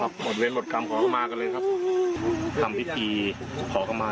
ครับหมดเว้นหมดกรรมของเขาก็มากันเลยครับทำพิธีขอกลับมา